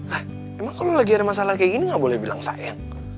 hah emang kalau lagi ada masalah kayak gini gak boleh bilang saya